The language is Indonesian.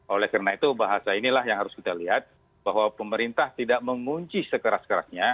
oleh karena itu bahasa inilah yang harus kita lihat bahwa pemerintah tidak mengunci sekeras kerasnya